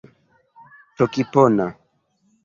tokipona